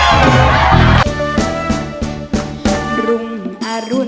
อยากกดเจอง่านี่คือจอนี่ทางแห่งสองครั้ง